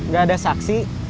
gak ada saksi